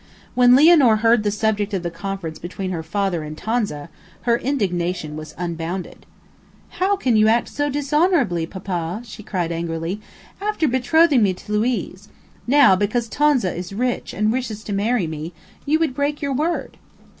When Lianor heard the subject of the conference between her father and Tonza, her indignation was unbounded. "How can you act so dishonorably, papa?" she cried angrily, "after betrothing me to Luiz; now, because Tonza is rich and wishes to marry me, you would break your word."